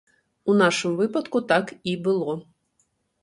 У нашым выпадку так і было.